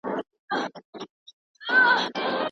چي تعویذ به مي مضمون د هر غزل وو